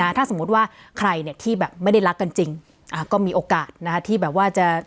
ถ้าสมมุติว่าใครเนี่ยที่แบบไม่ได้รักกันจริงก็มีโอกาสที่แบบว่าจะ